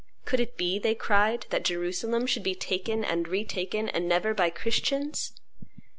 "Could it be," they cried, "that Jerusalem should be taken and retaken, and never by Christians?"